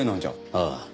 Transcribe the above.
ああ。